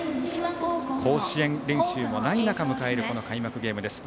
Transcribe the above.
甲子園練習のない中迎える開幕ゲームです。